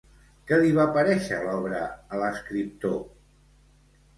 Què li va parèixer l'obra a l'escriptor?